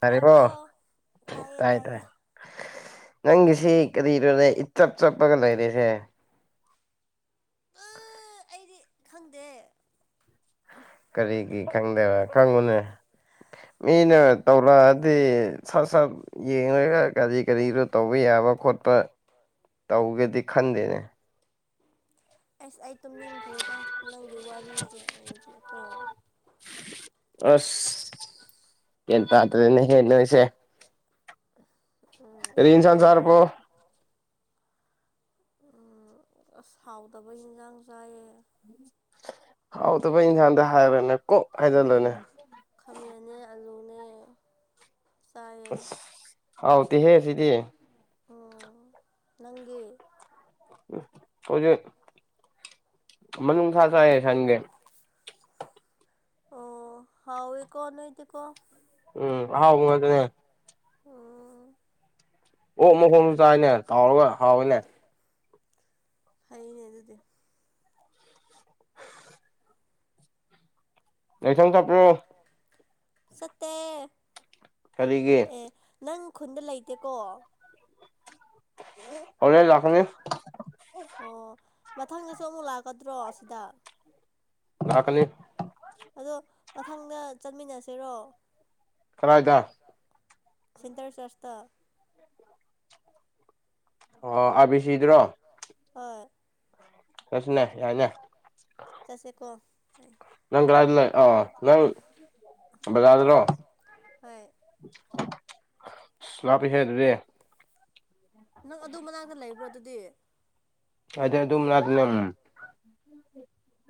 ꯍꯥꯏꯔꯤꯕ ꯇꯥꯕ꯭ꯔꯣ ꯇꯥꯏꯌꯦ ꯇꯥꯏ ꯇꯥꯏ ꯇꯥꯏꯌꯦ ꯅꯪꯒꯤꯁꯤ ꯀꯔꯤꯔꯅꯦ ꯏꯆꯞ ꯆꯞꯄꯒ ꯂꯩꯔꯦꯅꯦ ꯑ ꯑꯩꯗꯤ ꯈꯪꯗꯦ ꯀꯔꯤꯒꯤ ꯈꯪꯗꯕ ꯈꯪꯉꯨꯅꯦ ꯃꯤꯅ ꯇꯧꯔꯛ ꯑ ꯁꯠ ꯁꯠ ꯌꯦꯡꯂꯡꯒ ꯀꯔꯤ ꯀꯔꯤꯗꯣ ꯇꯧꯕ ꯌꯥꯕ ꯈꯣꯠꯄ ꯇꯧꯒꯦꯗꯤ ꯈꯟꯗꯦꯅꯦ ꯑꯁ ꯑꯩ ꯇꯨꯝꯅꯤꯡꯟꯈ꯭ꯔꯦꯗ ꯅꯪꯒꯤ ꯋꯥꯔꯤꯁꯦ ꯑꯩꯗꯤ ꯀꯣ ꯑꯁ ꯀ ꯇꯇ꯭ꯔꯗꯅꯦ ꯍꯦꯟꯅꯁꯦ ꯔꯔꯤꯁꯟ ꯇꯥꯎꯋꯣ ꯆꯔꯄꯣ ꯁꯥꯎꯗꯕ ꯏꯟꯖꯥꯡ ꯆꯥꯏꯑ ꯍꯥꯎꯗꯕ ꯏꯟꯁꯥꯡꯗ ꯍꯥꯏꯔꯅꯦ ꯀꯣꯛ ꯍꯥꯏꯖꯤꯜꯂꯣꯅꯦ ꯈꯥꯃꯦꯟꯅꯦ ꯑꯂꯨꯅꯦ ꯆꯥꯏꯌꯦ ꯑꯁ ꯍꯥꯎꯗꯤꯤ ꯍꯦ ꯁꯤꯗꯤ ꯎꯝ ꯅꯪꯗꯤ ꯑꯣꯖꯤ ꯃ ꯊꯥꯁꯌꯦ ꯁꯪꯒꯦ ꯑꯣ ꯍꯥꯎꯦꯀꯣꯅꯨꯡꯣꯏꯇꯀꯣ ꯎꯝ ꯍꯥꯎꯗꯅꯦꯦ ꯑꯣꯥ ꯑꯣꯛ ꯃꯈ ꯍꯣꯡꯁꯨ ꯆꯥꯏꯅꯦ ꯇꯥꯎꯔꯒ ꯍꯥꯎꯏꯅꯦ ꯐꯩꯅꯦ ꯑꯗꯨꯗꯤ [unintelligible] ꯂꯩꯁꯪ ꯆꯠꯄ꯭ꯔꯣ ꯁꯠꯇꯦ ꯀꯔꯤꯒꯤꯦ ꯑꯦ ꯅꯪ ꯈꯨꯟꯗ ꯂꯩꯇꯦꯀꯣ ꯑꯣꯂ ꯂꯈꯅꯤꯐ ꯑꯣ ꯃꯊꯪꯗꯁꯨ ꯑꯃꯨꯛ ꯂꯥꯛꯀꯗ꯭ꯔꯣ ꯁꯤꯗ ꯂꯥꯛꯀꯅꯤ ꯑꯗꯣ ꯃꯊꯪꯗ ꯆꯠꯃꯤꯟꯅꯁꯤꯔꯣ ꯀꯖ ꯁꯦꯟꯇꯔ ꯆꯔꯆꯇ ꯑꯣ ꯑꯥꯕꯤꯁꯤꯗ꯭ꯔꯣ ꯍꯣꯏ ꯇꯁꯅ ꯌꯥꯏꯅ ꯆꯁꯦꯀꯣ ꯅꯪ ꯀ ꯂꯩ ꯑ ꯅꯪ ꯖꯥꯔꯔꯣ ꯍꯣꯏ ꯁꯂꯄꯤ ꯍꯥꯏꯦꯗ ꯔꯦ ꯅꯪ ꯑꯗꯨ ꯃꯅꯥꯛꯇ ꯂꯩꯕ꯭ꯔꯣ ꯑꯗꯨꯗꯤ ꯑ ꯑꯗꯨꯝꯅ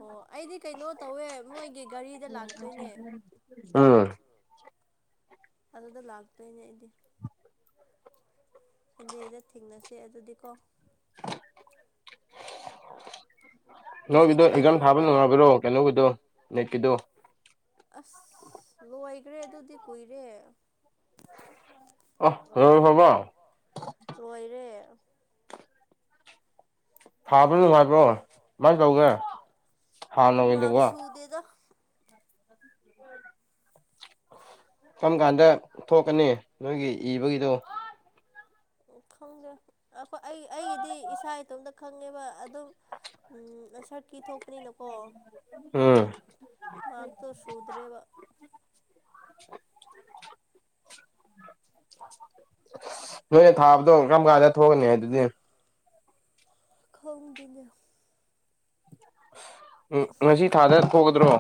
ꯑꯣ ꯑꯩꯗꯤ ꯀꯩꯅꯣ ꯇꯧꯋꯦ ꯃꯣꯏꯒꯤ ꯒꯥꯔꯤꯗ ꯂꯥꯛꯇꯣꯏꯅꯦ ꯎꯝ [unintelligible] ꯑꯗꯨꯗ ꯂꯥꯛꯇꯣꯏꯅꯦ ꯑꯩꯗꯤ ꯁꯟꯗꯦꯗ ꯊꯦꯡꯅꯁꯦ ꯑꯗꯨꯗꯤ ꯀꯣ ꯅꯣꯏꯒꯤꯗꯣ ꯉꯁꯤꯗꯤ ꯑꯦꯛꯖꯥꯝ ꯊꯥꯕ ꯀꯩꯗꯧꯔꯒ ꯅꯨꯡꯉꯥꯏꯕ꯭ꯔꯣ ꯀꯩꯅꯣꯒꯤꯗꯣ ꯅꯤꯠꯀꯤꯗꯣ ꯑꯁ ꯂꯣꯏꯈ꯭ꯔꯦ ꯑꯗꯨꯗꯤ ꯀꯨꯏꯔꯦ ꯑ ꯍꯣꯏ ꯍꯕ ꯂꯣꯏꯔꯦ ꯊꯥꯕ꯭ꯔ ꯅꯨꯡꯉꯥꯏꯕ꯭ꯔꯣ ꯀꯃꯥꯏꯅ ꯇꯧꯒꯦ ꯃꯥꯛ ꯍꯥꯟꯅꯅꯋꯦꯗꯀ ꯁꯨꯗꯦꯗ ꯀꯔꯝ ꯀꯥꯟꯗ ꯊꯣꯛꯀꯅꯤ ꯅꯣꯏꯒꯤ ꯏꯕꯒꯤꯗꯣ ꯎ ꯈꯪꯗꯦ ꯑꯩꯈꯣꯏ ꯑꯩ ꯑꯩꯒꯤꯗꯤ ꯏꯁꯥ ꯏꯇꯣꯝꯇ ꯈꯪꯉꯦꯕ ꯑꯗꯨꯝ ꯎꯝ ꯁꯔꯠꯀꯤ ꯊꯣꯛꯄꯅꯤꯅꯀꯣ ꯎꯝ ꯃꯥꯒꯤꯛꯇꯣ ꯁꯨꯗ꯭ꯔꯦꯕ ꯅꯣꯏꯅ ꯊꯥꯕꯗꯣ ꯀꯔꯝ ꯀꯥꯟꯗ ꯊꯣꯛꯣꯡꯀꯅꯤ ꯍꯥꯏ ꯑꯗꯨꯗꯤ ꯈꯣꯡꯗꯨꯅ ꯎꯝ ꯉꯁꯤ ꯊꯥꯗ ꯊꯣꯛꯒꯗ꯭ꯔꯣ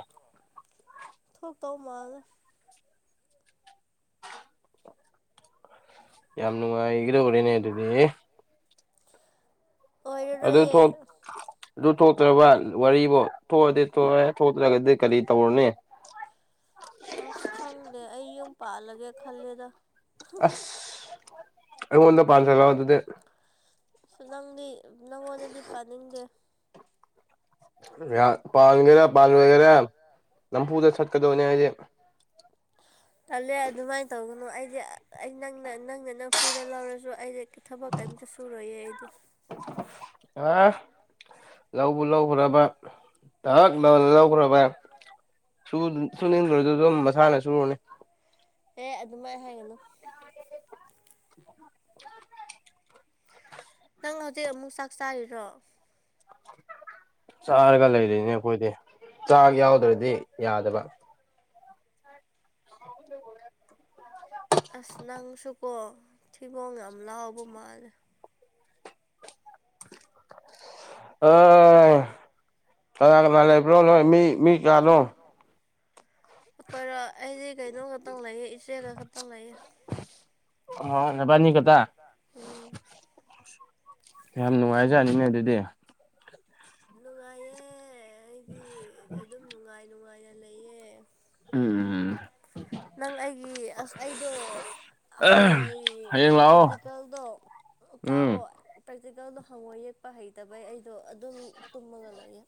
ꯊꯣ ꯇꯥꯎ ꯃꯥꯅ ꯌꯥꯝ ꯅꯨꯡꯉꯥꯏꯒꯗꯣꯔꯤꯅꯦ ꯑꯗꯨꯗꯤ [inaudible] ꯑꯗꯨꯗꯣ ꯊ ꯑꯗꯨ ꯊꯣꯛꯇ꯭ꯔꯕ ꯋꯥꯔꯤꯔꯤꯕꯨꯣ ꯊꯣꯛꯑꯗꯤ ꯊꯣꯛꯑꯦ ꯊꯣꯛꯇ꯭ꯔꯒꯗꯤ ꯀꯔꯤ ꯇꯧꯔꯅꯦ ꯑꯁ ꯈꯪꯗꯦ ꯑꯩ ꯌꯨꯝ ꯄꯥꯜꯂꯒꯦ ꯈꯜꯂꯦꯗ ꯑꯁ ꯑꯩꯣꯟꯗ ꯄꯜ ꯁꯒꯗꯨꯗ ꯁ ꯅꯪꯗꯤ ꯅꯪꯉꯣꯟꯗꯗꯤ ꯄꯥꯅꯤꯡꯗꯦ ꯄꯥꯟꯒꯦꯔꯥ ꯄꯥꯟꯂꯣꯏꯒꯦꯔꯥ ꯅꯝꯐꯨꯗ ꯆꯠꯀꯗꯧꯅꯦ ꯍꯥꯏꯁꯦ ꯆꯜꯂꯨ ꯑꯗꯨꯃꯥꯏꯅ ꯇꯧꯕꯅ ꯑꯩꯗꯤ ꯑꯩ ꯅꯪꯅ ꯅꯪꯅ ꯅꯝꯐꯨꯗ ꯂꯧꯔꯁꯨ ꯑꯩꯗꯤ ꯊꯕꯛ ꯀꯩꯝꯇ ꯁꯨꯔꯣꯏꯌꯦ ꯑꯩꯗꯤ ꯑ ꯂꯧꯕ ꯂꯧꯈ꯭ꯔꯕ ꯊꯛꯅ ꯂꯧꯈ꯭ꯔꯕ ꯁꯨꯅꯤꯡꯟꯈ꯭ꯔꯁꯨ ꯑꯗꯨꯝ ꯃꯁꯥꯅ ꯁꯨꯔꯨꯅꯤ ꯑꯦꯦ ꯑꯗꯨꯃꯥꯏꯅ ꯍꯥꯏꯒꯅꯨ [unintelligible] ꯅꯪ ꯍꯧꯖꯤꯛ ꯑꯃꯨꯛ ꯆꯥꯛ ꯆꯥꯔꯤꯔꯣ ꯆꯥꯔꯒ ꯂꯩꯔꯤꯣꯏꯅꯦ ꯑꯩꯈꯣꯏꯗꯤ ꯆꯥꯛ ꯌꯥꯎꯗ꯭ꯔꯗꯤ ꯌꯥꯗꯕ [inaudible] ꯑꯁ ꯅꯪꯁꯨꯀꯣ ꯊꯤꯕꯣꯡ ꯌꯥꯝ ꯂꯥꯎꯕ ꯃꯥꯜꯂꯦ ꯀꯅꯥ ꯀꯅꯥ ꯂꯩꯕ꯭ꯔꯣ ꯅꯣꯏ ꯃꯤ ꯃꯤ ꯀꯥꯅꯣ ꯈꯣꯏꯔꯣ ꯑꯩꯁꯦ ꯀꯩꯅꯣꯝ ꯈꯛꯇꯪ ꯂꯩꯌꯦ ꯁꯦꯒꯥ ꯈꯠꯇ ꯂ ꯅꯕꯥꯅꯤ ꯈꯛꯇ ꯎꯝ ꯌꯥꯝ ꯅꯨꯡꯉꯥꯏꯖꯅꯤꯅꯦ ꯑꯗꯨꯗꯤ ꯅꯨꯡꯉꯥꯏꯌꯦ ꯑꯩꯗꯤ ꯑꯗꯨꯝ ꯅꯨꯡꯉꯥꯏ ꯅꯨꯡꯉꯥꯏꯅ ꯂꯩꯌꯦ ꯎꯝ ꯅꯪ ꯑꯩꯒꯤ ꯑꯁ ꯑꯩꯗꯣ ꯍꯋꯥꯏ ꯍꯌꯦꯡ ꯂꯥꯛꯑꯣ ꯄ꯭ꯔꯦꯛꯇꯤꯀꯦꯜꯗꯣ ꯎꯝ ꯇꯥꯎꯑꯣꯣ ꯄ꯭ꯔꯦꯛꯇꯤꯀꯦꯜꯗꯣ ꯍꯪꯉꯣ ꯌꯦꯛꯄ ꯍꯩꯇꯕꯩ ꯑꯩꯗꯣ ꯑꯗꯨꯝ ꯇꯨꯝꯃꯒ ꯂꯩꯌꯦ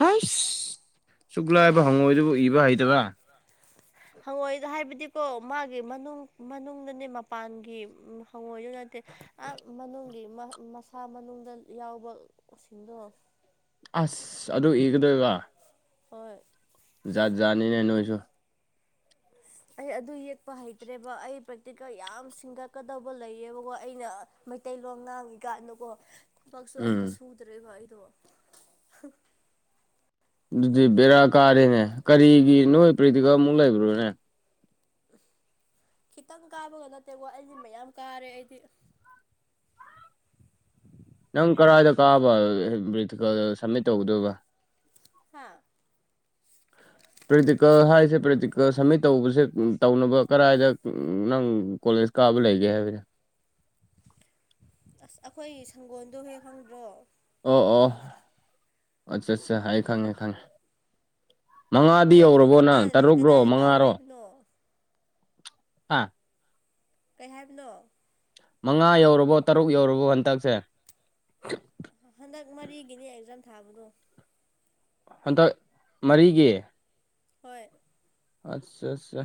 ꯍꯁ ꯁꯨꯛꯂꯥꯏꯕ ꯍꯪꯉꯣꯏꯗꯨꯕꯨ ꯏꯕ ꯍꯩꯇꯕ ꯍꯪꯉꯣꯏꯗ ꯍꯥꯏꯕꯗꯤꯀꯣ ꯃꯥꯒꯤ ꯃꯅꯨꯡ ꯃꯅꯨꯡꯅꯦ ꯃꯄꯥꯟꯒꯤ ꯍꯪꯉꯣꯏꯗꯨ ꯅꯠꯇꯦ ꯑ ꯃꯅꯨꯡꯒꯤ ꯃꯁꯥ ꯃꯅꯨꯡꯗ ꯌꯥꯎꯕꯁꯤꯡꯗꯣ ꯑꯁ ꯑꯗꯨ ꯏꯒꯗꯣꯏꯒ ꯍꯣꯏ ꯖꯥꯠ ꯖꯥꯠꯅꯤꯅꯦ ꯅꯣꯏꯁꯨ [inaudible] [inaudible] ꯑꯩ ꯑꯗꯨ ꯌꯦꯛꯄ ꯍꯩꯇ꯭ꯔꯦꯕ ꯑꯩ ꯄ꯭ꯔꯦꯛꯇꯤꯀꯦꯜ ꯌꯥꯝ ꯁꯤꯡꯒꯠꯀꯗꯧꯕ ꯂꯩꯌꯦꯕꯀꯣ ꯑꯩꯅ ꯃꯩꯇꯩꯂꯣꯟ ꯉꯥꯡꯉꯤꯀꯥꯟꯅꯀꯣ ꯊꯕꯛꯁꯨ ꯑꯝꯇ ꯎꯝ ꯁꯨꯗ꯭ꯔꯦꯕ ꯑꯩꯗꯣ ꯑꯗꯨꯗꯤ ꯕꯦꯔꯥ ꯀꯥꯔꯦꯅꯦ ꯀꯔꯤꯒꯤ ꯅꯣꯏ ꯄ꯭ꯔꯔꯤꯇꯤꯀ ꯑꯃꯨꯛ ꯂꯩꯕ꯭ꯔꯣꯅꯦ ꯈꯤꯇꯪ ꯀꯥꯕꯒ ꯅꯠꯇꯦꯀꯣ ꯑꯩꯗꯤ ꯃꯌꯥꯝ ꯀꯥꯔꯦ ꯑꯩꯗꯤ ꯅꯪ ꯀꯔꯥꯏꯗ ꯀꯥꯕ ꯇꯤꯀꯜ ꯁꯝꯃꯤꯠ ꯇꯧꯒꯗꯣꯏꯕ ꯍꯥꯥ ꯄ꯭ꯔꯦꯛꯇꯤꯀꯦꯜ ꯍꯥꯏꯔꯤꯁꯦ ꯄ꯭ꯔꯦꯛꯇꯤꯀꯦꯜ ꯁꯝꯃꯤꯠ ꯇꯧꯕꯁꯦ ꯇꯧꯅꯕ ꯀꯗꯥꯥꯏꯗ ꯅꯪ ꯀꯂꯖꯁꯨꯀꯥꯕ ꯂꯩꯒꯦ ꯍꯥꯏ ꯐꯔ ꯑꯁ ꯑꯩꯈꯣꯏ ꯁꯪꯒꯣꯜꯗꯣ ꯍꯦꯛ ꯈꯪꯕ꯭ꯔꯣ ꯑꯣ ꯑꯣ ꯑꯠꯆꯥ ꯑꯠꯆꯥ ꯍꯥꯏꯌꯦ ꯈꯪꯉꯦ ꯈꯪꯉꯦ ꯃꯉꯥꯗꯤ ꯌꯧꯔꯕꯣ ꯅꯪ ꯇꯔꯨꯛꯔꯣ ꯃꯉꯥꯔꯣ ꯅ ꯑꯥ ꯀꯩ ꯍꯥꯏꯕꯅꯣ ꯃꯉꯥ ꯌꯧꯔꯕꯣ ꯇꯔꯨꯛ ꯌꯧꯔꯕꯣ ꯍꯟꯇꯛꯁꯦ ꯍꯟꯗꯛ ꯃꯔꯤꯒꯤꯅꯦ ꯑꯦꯛꯖꯥꯝ ꯊꯥꯕꯗꯣ ꯍꯟꯗꯛ ꯃꯔꯤꯒꯤ ꯍꯣꯏ ꯑꯠ ꯑꯠꯆꯥ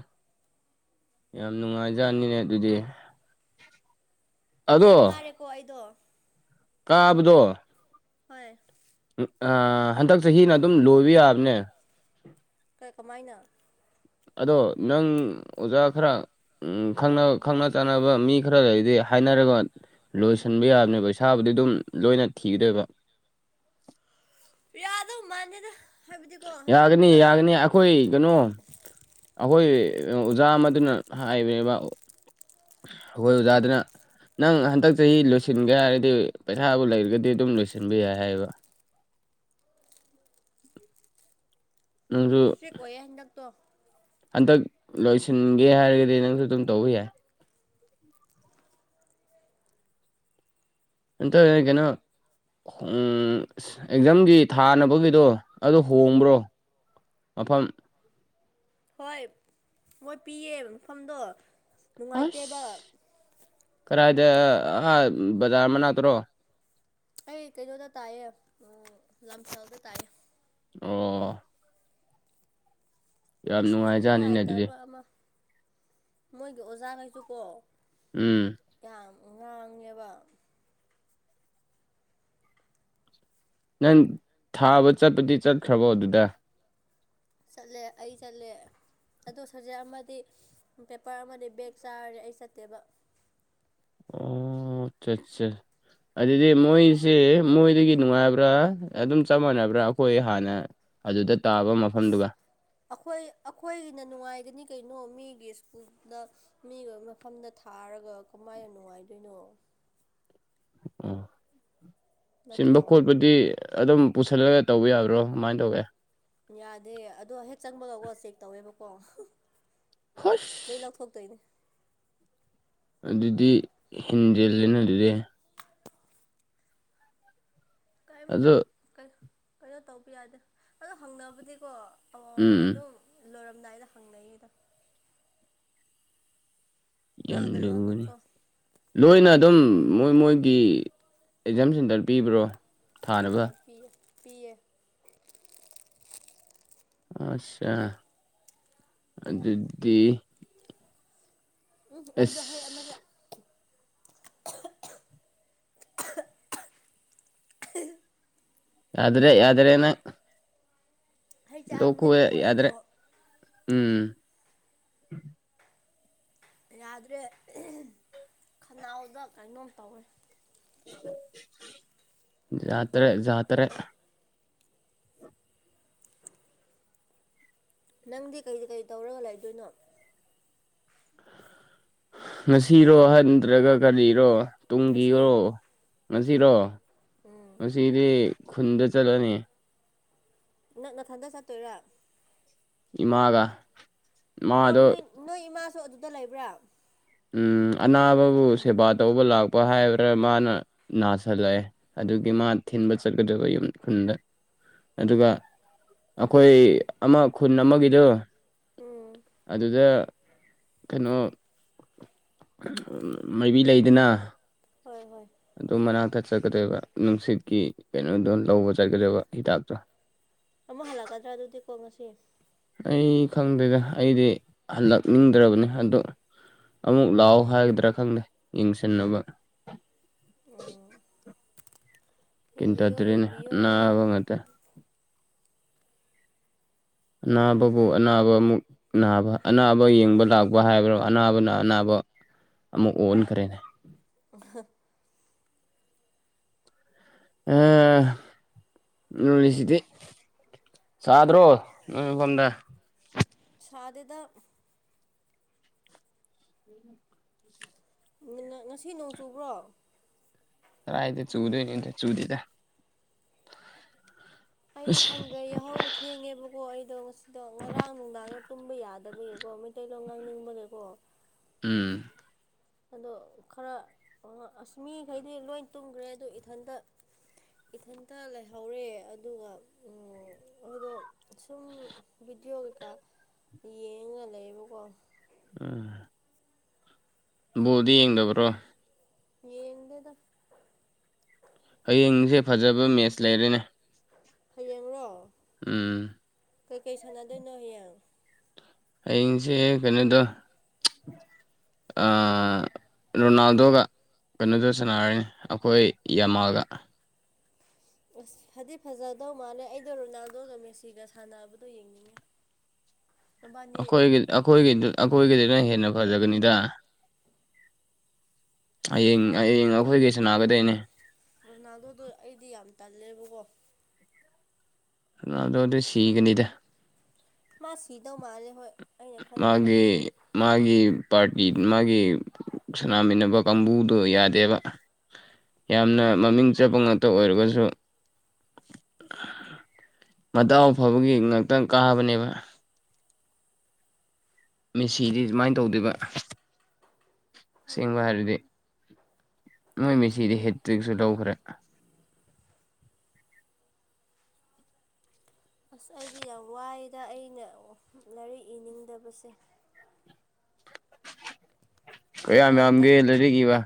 ꯌꯥꯝ ꯅꯨꯡꯉꯥꯏꯖꯥꯠꯅꯤꯅꯦ ꯑꯗꯨꯗꯤ ꯃꯌꯥꯝ ꯑꯗꯣ ꯀꯥꯔꯦꯀꯣ ꯑꯩꯗꯣ ꯀꯥꯕꯗꯣ ꯍꯣꯏ ꯍꯟꯗꯛ ꯆꯍꯤꯅ ꯑꯗꯨꯝ ꯂꯣꯏꯕ ꯌꯥꯕꯅꯦ ꯀꯃꯥꯏꯅ ꯑꯗꯣ ꯅꯪ ꯑꯣꯖꯥ ꯈꯔ ꯈꯪ ꯈꯪꯅ ꯆꯥꯟꯅꯕ ꯃꯤ ꯈꯔ ꯂꯩꯗꯤ ꯍꯥꯏꯅꯔꯒ ꯂꯣꯏꯁꯤꯟꯕ ꯌꯥꯕꯅꯦꯕꯩ ꯏꯁꯥꯕꯨꯗꯤ ꯑꯗꯨꯝ ꯂꯣꯏꯅ ꯊꯤꯒꯗꯣꯏꯕ ꯄꯨꯔꯗꯧ ꯃꯥꯥꯟꯅꯦꯗ ꯍꯥꯏꯕꯗꯤꯀꯣ ꯍꯟꯗꯛ ꯌꯥꯒꯅꯤ ꯈꯔ ꯌꯥꯒꯅꯤ ꯑꯩꯈꯣꯏ ꯀꯩꯅꯣ ꯑꯩꯈꯣꯏ ꯑꯣꯖꯥ ꯑꯃꯗꯨꯅ ꯍꯥꯏꯕꯕ ꯑꯩꯈꯣꯏ ꯑꯣꯖꯥꯗꯨꯅ ꯅꯪ ꯍꯟꯗꯛ ꯆꯍꯤ ꯂꯣꯏꯁꯤꯟꯒꯦ ꯍꯥꯏꯔꯗꯤ ꯄꯩꯁꯥꯕꯨ ꯂꯩꯔꯒꯗꯤ ꯑꯗꯨꯝ ꯂꯣꯏꯁꯤꯟꯕ ꯌꯥꯏ ꯍꯥꯏꯌꯦꯕ ꯅꯁꯨ ꯀꯦꯛ ꯀ ꯑꯣꯏꯑꯦ ꯍꯟꯗꯛꯇꯣ ꯍꯟꯗꯛ ꯂꯣꯏꯁꯤꯟꯒꯦ ꯍꯥꯏꯔꯒꯗꯤ ꯅꯪꯁꯨ ꯑꯗꯨꯝ ꯇꯧꯕ ꯌꯥꯏ ꯑꯇꯣ ꯀꯩꯅꯣ ꯑ ꯑꯦꯛꯖꯥꯝꯒꯤ ꯊꯥꯅꯕꯒꯤꯗꯣ ꯑꯗꯨ ꯍꯣꯡꯕ꯭ꯔꯣ ꯃꯐꯝ ꯍꯣꯏ ꯃꯣꯏ ꯄꯤꯌꯦ ꯃꯐꯝꯗꯣ ꯅꯨꯡꯉꯥꯏꯇꯦꯕ ꯀꯗꯥꯥꯏꯗ ꯕꯖꯥꯔ ꯃ ꯅꯛꯇ꯭ꯔꯣ ꯑꯩ ꯀꯩꯅꯣꯗ ꯇꯥꯏꯌꯦ ꯂꯝꯁꯥꯎꯗ ꯇꯥꯏꯌꯦ ꯑꯣ ꯌꯥꯝ ꯑꯁ ꯅꯨꯡꯉꯥꯏꯖꯥꯠꯅꯤꯅꯦ ꯑꯗꯨꯗꯤ ꯈꯨꯅꯨꯡꯉꯥꯏꯇꯕ ꯑꯃ ꯃꯣꯏꯒꯤ ꯑꯣꯖꯥꯈꯩꯁꯨꯀꯣ ꯎꯝ ꯌꯥꯝ ꯉꯥꯡꯉꯦꯕ ꯅꯪ ꯊꯥꯕ ꯆꯠꯄꯗꯤ ꯆꯠꯈ꯭ꯔꯕꯣ ꯑꯗꯨꯗ ꯆꯠꯂꯦ ꯑꯩ ꯆꯠꯂꯦ ꯑꯗꯣ ꯁꯖꯦꯛ ꯑꯃꯗꯤ ꯄꯦꯄꯔ ꯑꯃꯗꯤ ꯕꯦꯦꯛ ꯆꯥꯔꯔꯦ ꯑꯩ ꯆꯠꯇꯦꯕ ꯑꯣ ꯑꯆꯥ ꯑꯆꯥ ꯑꯗꯨꯗꯤ ꯃꯣꯏꯁꯤꯦ ꯃꯣꯏꯗꯒꯤ ꯅꯨꯡꯉꯥꯏꯕ꯭ꯔꯥ ꯑꯗꯨꯝ ꯆꯞ ꯃꯥꯟꯅꯕ꯭ꯔꯥ ꯑꯩꯈꯣꯏ ꯍꯥꯟꯅ ꯑꯗꯨꯗ ꯇꯥꯕ ꯑꯁ ꯃꯐꯝꯗꯨꯒ ꯑꯩꯈꯣꯏ ꯑꯩꯈꯣꯏꯒꯤꯅ ꯅꯨꯡꯉꯥꯏꯒꯅꯤ ꯀꯩꯅꯣ ꯃꯤꯒꯤ ꯁ꯭ꯀꯨꯜꯗ ꯃꯤꯒ ꯃꯐꯝꯗ ꯊꯥꯔꯒ ꯀꯃꯥꯏ ꯌꯥꯝ ꯅꯨꯡꯉꯥꯏꯗꯣꯏꯅꯣ ꯑꯣ ꯁꯤꯟꯕ ꯅꯠꯇ꯭ꯔꯣ ꯈꯣꯠꯄꯗꯤ ꯑꯗꯨꯝ ꯄꯨꯁꯜꯂꯒ ꯇꯧꯕ ꯌꯥꯕ꯭ꯔꯣ ꯀꯃꯥꯏꯅ ꯇꯧꯒꯦ ꯌꯥꯗꯦ ꯑꯗꯣ ꯍꯦꯛ ꯆꯪꯕ ꯂꯀ ꯆꯦꯛ ꯇꯧꯋꯦꯕꯀꯣ ꯈꯨꯁ ꯂꯧꯊꯣꯛꯇꯣꯏꯅꯦ ꯑꯗꯨꯗꯤ ꯍꯦꯟꯖꯦꯜꯜꯂꯤꯅ ꯑꯗꯨꯗꯤ ꯀꯔꯤꯝꯇ ꯑꯗꯣ ꯀꯩꯅꯣ ꯀꯩꯅꯣ ꯇꯧꯕ ꯌꯥꯗꯦ ꯑꯗꯣ ꯍꯪꯅꯕꯗꯤꯀꯣ ꯑꯣ ꯎꯝ ꯑꯗꯨ ꯂꯣꯏꯔꯝꯗꯥꯏꯗ ꯍꯪꯅꯌꯦꯗ ꯌꯥꯝ ꯂꯣꯟꯅ ꯂꯨꯒꯅꯤ ꯂꯣꯟꯅꯀꯣ ꯂꯣꯏꯅ ꯑꯗꯨꯝ ꯃꯣꯏ ꯃꯣꯏꯒꯤ ꯑꯦꯛꯖꯥꯝ ꯁꯦꯟꯇꯔ ꯄꯤꯕ꯭ꯔꯣ ꯊꯥꯅꯕ ꯍ ꯄꯌꯦ ꯑꯆꯥ ꯑꯗꯨꯗꯤ ꯎꯝ ꯑꯩꯗꯣ ꯍꯌꯦ ꯑꯃꯗ ꯑꯁ ꯌꯥꯗꯔ ꯌꯥꯗꯔꯅ ꯍꯩ ꯂꯣꯈꯨꯦ ꯆꯥꯕꯅꯦꯕꯀꯣ ꯑꯩꯗꯣ ꯌꯥꯗ꯭ꯔꯦ ꯎꯝ ꯌꯥꯗ꯭ꯔꯦ ꯈꯅꯥꯎꯗ ꯀꯩꯅꯣꯝ ꯇꯧꯋꯦ ꯌꯥꯥꯇꯔ ꯖꯥꯇꯔ ꯅꯪꯗꯤ ꯀꯩ ꯀꯩ ꯇꯧꯔꯒ ꯂꯩꯗꯣꯏꯅꯣ ꯉꯁꯤꯔꯣ ꯍꯟꯗ꯭ꯔꯒ ꯀꯔꯤꯔꯣ ꯇꯨꯡꯒꯤ ꯉꯁꯤ ꯑꯣꯏꯔꯣ ꯉꯁꯤꯔꯣ ꯎꯝ ꯉꯁꯤꯗꯤ ꯈꯨꯟꯗ ꯆꯠꯂꯅꯤ ꯅꯛ ꯅꯊꯟꯗ ꯆꯠꯇꯣꯏꯔꯥ ꯏꯃꯥꯒ ꯑꯣ ꯃꯥꯗꯣ ꯅꯣꯏ ꯅꯣꯏ ꯏꯃꯥꯁꯨ ꯑꯗꯨꯗ ꯂꯩꯕ꯭ꯔꯥ ꯑꯅꯥꯕꯕꯨ ꯁꯦꯕꯥ ꯇꯧꯕ ꯂꯥꯛꯄ ꯍꯥꯏꯕ꯭ꯔꯥ ꯃꯥꯅ ꯅꯥꯁꯤꯜꯂꯛꯑꯦ ꯑꯗꯨꯒꯤ ꯃꯥ ꯊꯤꯟꯕ ꯆꯠꯀꯗꯕ ꯌꯨꯝ ꯈꯨꯟꯗ ꯑꯗꯨꯒ ꯑꯩꯈꯣꯏ ꯑꯃ ꯈꯨꯟ ꯑꯃꯒꯤꯗꯣ ꯎꯝ ꯑꯗꯨꯗ ꯀꯩꯅꯣ ꯃꯥꯏꯕꯤ ꯂꯩꯗꯅ ꯍꯣꯏ ꯍꯣꯏ ꯑꯗꯨꯗ ꯃꯅꯥꯛꯇꯛ ꯆꯠꯀꯗꯣꯏꯕ ꯅꯨꯡꯁꯤꯠꯀꯤ ꯀꯩꯅꯣꯗꯣ ꯂꯧꯕ ꯆꯠꯀꯗꯣꯏꯕ ꯍꯤꯗꯥꯛꯇꯣ ꯑꯃꯨꯛ ꯍꯜꯂꯛꯀꯗ꯭ꯔꯥ ꯑꯗꯨꯗꯤꯀꯣ ꯉꯁꯤ ꯑꯩ ꯈꯪꯗꯦꯗ ꯑꯩꯗꯤ ꯍꯜꯂꯛꯅꯤꯡꯗ꯭ꯔꯕꯅꯤ ꯑꯗꯣ ꯑꯃꯨꯛ ꯂꯥꯛꯑꯣ ꯍꯥꯏꯒꯗ꯭ꯔꯥ ꯈꯪꯗꯦ ꯌꯦꯡꯁꯤꯟꯅꯕ ꯎꯝ ꯀꯤꯟꯇ ꯌꯦꯡꯕꯤꯌꯣ ꯌꯦꯡꯕꯤꯌꯣ ꯑꯗꯨꯅꯕ ꯉ ꯑꯅꯥꯕꯕꯨ ꯑꯅꯥꯕ ꯑꯃꯨꯛ ꯑꯅꯥꯕ ꯑꯅꯥꯕ ꯌꯦꯡꯕ ꯂꯥꯛꯄ ꯍꯥꯏꯕ꯭ꯔꯥ ꯑꯅꯥꯕꯅ ꯑꯅꯥꯕ ꯑꯃꯨꯛ ꯑꯣꯟꯈ꯭ꯔꯦꯅꯦ ꯍꯍ ꯌꯨꯅꯤꯚꯁꯤꯇꯤ ꯆꯗ꯭ꯔꯣ ꯎꯝꯗ ꯁꯗꯗ ꯎꯝ ꯉꯁꯤ ꯅꯣꯡ ꯆꯨꯕ꯭ꯔꯣ ꯇ ꯑꯥꯏꯗꯤ ꯆꯨꯗꯣꯏꯅꯤ ꯆꯨꯗꯗ ꯑꯩꯗꯤ ꯑꯁ ꯈꯪꯒꯦꯍꯧ ꯊꯦꯡꯉꯦꯕꯀꯣ ꯑꯩꯗꯣ ꯉꯁꯤꯗꯣ ꯉꯔꯥꯡ ꯅꯨꯡꯗꯥꯡꯗ ꯇꯨꯝꯕ ꯌꯥꯗꯕꯒꯤꯀꯣ ꯃꯩꯇꯩꯂꯣꯟꯣ ꯉꯥꯡꯅꯤꯡꯕꯒꯦꯀꯣ ꯎꯝ ꯑꯗꯣ ꯈꯔ ꯑꯁꯃꯤꯈꯩꯗꯤ ꯂꯣꯏ ꯇꯨꯝꯈ꯭ꯔꯦ ꯑꯗ ꯏꯊꯟꯇ ꯏꯊꯟꯇ ꯂꯩꯍꯧꯔꯦ ꯑꯗꯨꯒ ꯑꯩꯣꯏꯗꯣ ꯁꯨꯝ ꯚꯕꯤꯗꯤꯑꯣ ꯀꯩꯀꯥ ꯌꯦꯡꯉ ꯂꯩꯕꯀꯣ ꯎꯥ ꯕꯣꯗꯤ ꯌꯦꯡꯗꯕ꯭ꯔꯣ ꯌꯦꯗꯗ ꯍꯌꯦꯡꯁꯦ ꯐꯖꯕ ꯃꯦꯠꯆ ꯂꯩꯔꯦꯅꯦ ꯍꯌꯦꯡꯔꯣ ꯎꯝ ꯀꯒꯩ ꯁꯥꯟꯅꯥ ꯑꯗꯨꯅꯍꯌꯦꯪ ꯑꯩꯡꯁꯦ ꯀꯩꯅꯣꯗꯣ ꯑ ꯔꯣꯅꯥꯜꯗꯣꯒ ꯀꯩꯅꯣꯗ ꯁꯥꯟꯅꯔꯅꯤ ꯑꯩꯈꯣꯏ ꯌꯥꯝꯃꯥꯜꯒ ꯑꯁ ꯐꯗꯤ ꯐꯖꯗꯧ ꯃꯥꯜꯂꯦ ꯑꯩꯗꯣ ꯔꯣꯅꯥꯜꯗꯣꯒ ꯃꯦꯁꯤꯒ ꯁꯥꯟꯅꯕꯗꯣ ꯌꯦꯡꯅꯤꯡꯉꯦ [unintelligible] ꯅꯕꯥꯅꯤ ꯑꯩꯈꯣꯏ ꯑꯩꯈꯣꯏ ꯑꯩꯈꯣꯏꯒꯤꯗꯨꯅ ꯍꯦꯟꯅ ꯐꯖꯒꯅꯤꯗ ꯑꯁ ꯍꯌꯦꯡ ꯃꯥ ꯍꯌꯦꯡ ꯑꯩꯈꯣꯏꯒꯤꯩꯁꯨ ꯅꯥꯒꯗꯣꯏꯅꯦ ꯔꯣꯅꯥꯗꯣꯗꯣ ꯑꯩꯗꯤ ꯌꯥꯝ ꯇꯜꯂꯦꯕꯀꯣ ꯔꯨꯅꯥꯔꯗꯣꯗꯤ ꯁꯤꯒꯅꯤꯗ ꯃꯥ ꯁꯤꯗꯧ ꯃꯥꯜꯂꯦ ꯍꯣꯏ ꯑꯩꯅ ꯈꯟꯕꯗ ꯃꯥꯒꯤ ꯃꯥꯒꯤ ꯄꯥꯔꯇꯤ ꯃꯥꯒꯤ ꯁꯅꯥꯃꯤꯟꯅꯕ ꯀꯥꯡꯕꯨꯗꯣ ꯌꯥꯗꯦꯕ ꯌꯥꯝꯅ ꯃꯃꯤꯡ ꯆꯠꯄ ꯉꯥꯛꯇ ꯑꯣꯏꯔꯒꯁꯨ ꯃꯇꯥꯎ ꯐꯕꯒꯤ ꯉꯥꯛꯇꯪ ꯀꯥꯕꯅꯦꯕ ꯃꯦꯁꯤꯗꯤ ꯑꯗꯨꯃꯥꯏꯅ ꯇꯧꯗꯦꯕ ꯑꯁꯦꯡꯕ ꯍꯥꯏꯔꯗꯤ ꯃꯣꯏ ꯃꯦꯁꯤꯗꯤ ꯍꯦꯠꯇ꯭ꯔꯤꯛꯁꯨ ꯂꯧꯈ꯭ꯔꯦ ꯑꯁ ꯑꯩꯗꯤ ꯌꯥꯝ ꯋꯥꯏꯗ ꯑꯩꯅ ꯂꯥꯏꯔꯤꯛ ꯏꯅꯤꯡꯗꯕꯁꯦ ꯀꯌꯥꯝ ꯌꯥꯝ ꯌꯥꯝꯒꯦ ꯇꯜꯂꯦ ꯂꯩꯔꯤꯛꯏꯕ